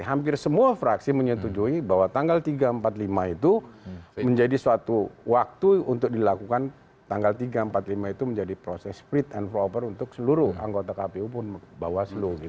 hampir semua fraksi menyetujui bahwa tanggal tiga empat puluh lima itu menjadi suatu waktu untuk dilakukan tanggal tiga empat puluh lima itu menjadi proses split and proper untuk seluruh anggota kpu pun bawaslu